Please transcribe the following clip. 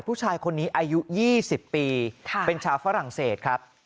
ผู้ชายคนนี้อายุ๒๐ปีเป็นชาวฝรั่งเศสครับ